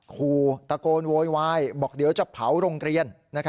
ครูตะโกนโวยวายบอกเดี๋ยวจะเผาโรงเรียน